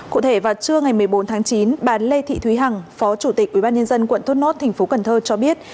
cụ thể vào trưa ngày một mươi bốn tháng chín bà lê thị thúy hằng phó chủ tịch ubnd quận thốt nốt tp cn cho biết